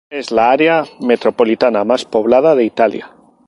Es la área metropolitana mas poblada de Italia.